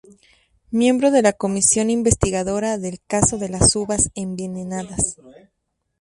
Miembro de la Comisión Investigadora del Caso de las Uvas Envenenadas.